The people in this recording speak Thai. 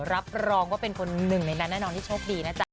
รับรองว่าเป็นคนหนึ่งในนั้นแน่นอนที่โชคดีนะจ๊ะ